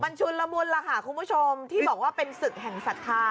มันชุนละมุนล่ะค่ะคุณผู้ชมที่บอกว่าเป็นศึกแห่งศรัทธา